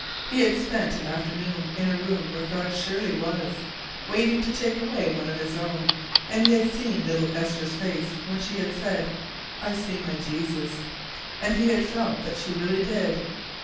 He had spent an afternoon in a room where God surely was, waiting to take away one of his own and he had seen little Esther's face when she had said: "I see my Jesus," and he had felt that she really did.